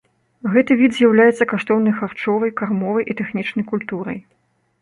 Гэты від з'яўляецца каштоўнай харчовай, кармавой і тэхнічнай культурай.